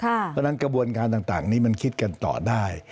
เพราะฉะนั้นกระบวนการต่างนี้มันคิดกันต่อได้